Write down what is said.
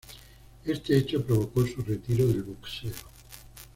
Este hecho provocó su retiro del boxeo.